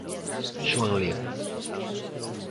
Xoán Ledo.